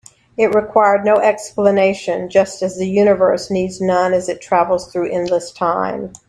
It required no explanation, just as the universe needs none as it travels through endless time.